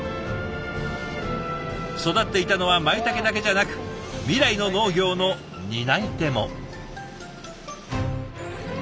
育っていたのはまいたけだけじゃなく未来の農業の担い手も。